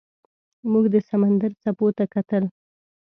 موږ د سمندر څپو ته کتل.